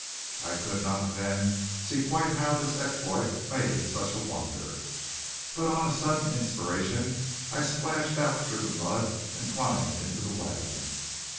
I could not, then, see quite how this exploit made him such a wonder; but on a sudden inspiration I splashed out through the mud and climbed into the wagon.